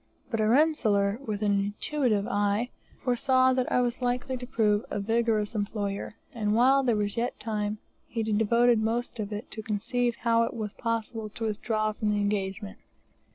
But Aranselar, with an intuitive eye, foresaw that I was likely to prove a vigorous employer, and while there was yet time he devoted most of it to conceive how it were possible to withdraw from the engagement.